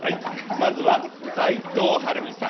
まずは齋藤東美さん。